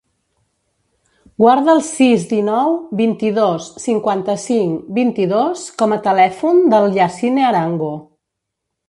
Guarda el sis, dinou, vint-i-dos, cinquanta-cinc, vint-i-dos com a telèfon del Yassine Arango.